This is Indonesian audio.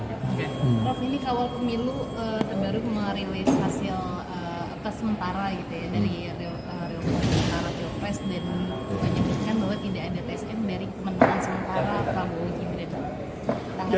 prof ini kawal pemilu terbaru meng release hasil kesempatan gitu ya